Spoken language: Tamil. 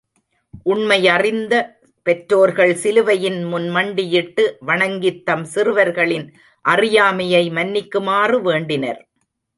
உண்மையறிந்த பெற்றோர்கள் சிலுவையின் முன் மண்டியிட்டு வணங்கித் தம் சிறுவர்களின் அறியாமையை மன்னிக்குமாறு வேண்டினர்.